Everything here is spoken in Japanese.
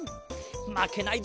まけないぞ。